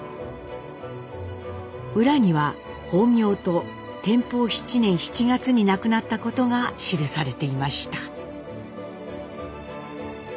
裏には法名と天保７年７月に亡くなったことが記されていました。